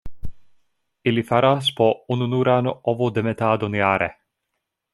Ili faras po ununuran ovodemetadon jare.